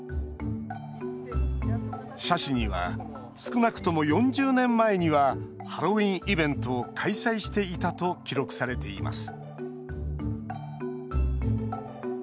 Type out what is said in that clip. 社史には少なくとも４０年前にはハロウィーンイベントを開催していたと記録されています